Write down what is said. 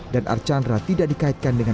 dan archandra tidak dikaitkan dengan